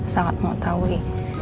sangat mau taui